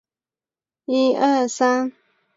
林鹏飞为雍正八年庚戌科二甲进士。